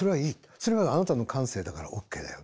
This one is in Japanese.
それはあなたの感性だからオーケーだよ。